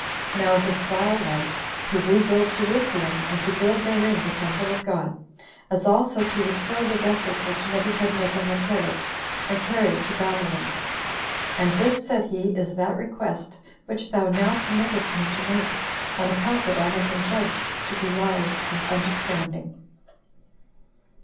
Now this vow was, "to rebuild Jerusalem, and to build therein the temple of God; as also to restore the vessels which Nebuchadnezzar had pillaged, and carried to Babylon. And this," said he, "is that request which thou now permittest me to make, on account that I have been judged to be wise and understanding."